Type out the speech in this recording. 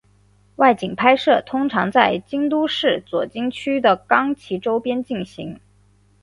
外景拍摄通常都在京都市左京区的冈崎周边进行。